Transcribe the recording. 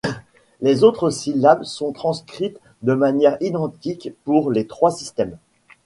Les autres syllabes sont transcrites de manière identique pour les trois systèmes.